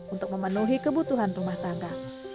untuk memenuhi kebutuhan rumah tangga